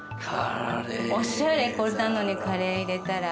おしゃれこんなのにカレー入れたら。